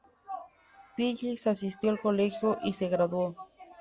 Phyllis asistió al colegio y se graduó.